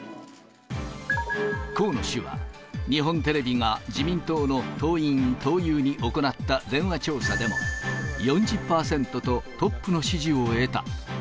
河野氏は、日本テレビが自民党の党員・党友に行った電話調査でも４０％とトップの支持を得た。